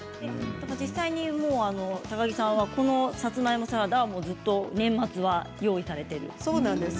実際に高城さんはこの、さつまいもサラダ年末はずっと用意されているんですよね。